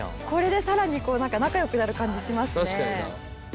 これでさらにこうなんか仲良くなる感じしますね。